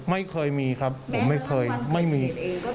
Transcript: ไม่เคยมีครับผมไม่เคยไม่มี